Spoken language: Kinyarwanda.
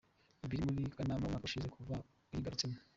ibiri muri Kanama umwaka ushize. Kuva ayigarutsemo